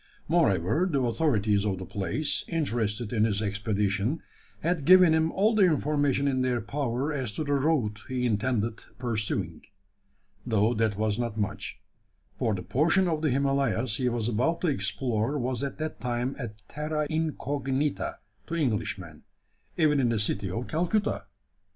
Moreover, the authorities of the place, interested in his expedition, had given him all the information in their power as to the route he intended pursuing though that was not much: for the portion of the Himalayas he was about to explore was at that time a terra incognita to Englishmen even in the city of Calcutta!